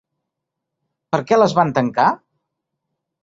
Per què les van tancar?